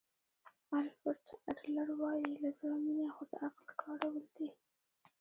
الفرډ اډلر وایي له زړه مینه خو د عقل کارول دي.